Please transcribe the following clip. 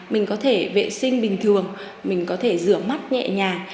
mình có thể vệ sinh bình thường mình có thể rửa mắt nhẹ nhàng